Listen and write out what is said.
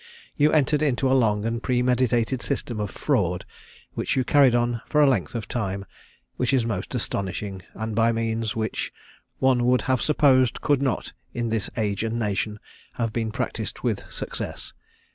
You entered into a long and premeditated system of fraud, which you carried on for a length of time, which is most astonishing, and by means which one would have supposed could not, in this age and nation, have been practised with success.